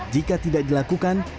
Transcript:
jika tidak dilakukan